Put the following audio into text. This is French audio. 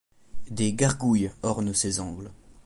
Des gargouilles ornent ses angles.